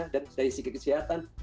dari sikap kesehatan